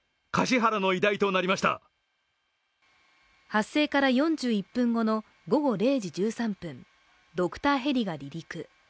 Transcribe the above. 発生から４１分後の午後０時１３分ドクターヘリが離陸。